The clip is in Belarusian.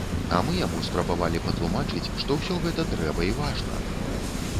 А мы яму спрабавалі патлумачыць, што ўсё гэта трэба і важна.